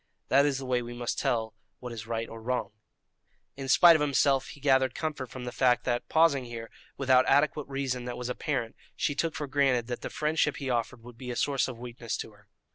That is the way we must tell what is right or wrong." In spite of himself, he gathered comfort from the fact that, pausing here, without adequate reason that was apparent, she took for granted that the friendship he offered would be a source of weakness to her.